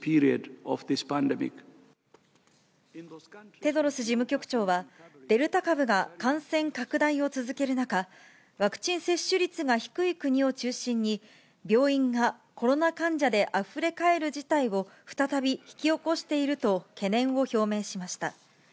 テドロス事務局長は、デルタ株が感染拡大を続ける中、ワクチン接種率が低い国を中心に、病院がコロナ患者であふれ返る事態を再び引き起こしていると懸念を表明しました。